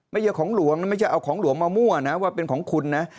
ไม่ใช่ของหลวงนะไม่ใช่เอาของหลวงมามั่วนะว่าเป็นของคุณนะ